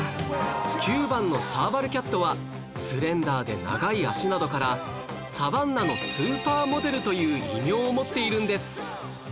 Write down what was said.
９番のサーバルキャットはスレンダーで長い脚などからサバンナのスーパーモデルという異名を持っているんです